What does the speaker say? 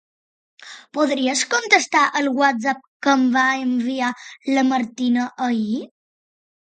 Podries contestar el whatsapp que em va enviar la Martina ahir?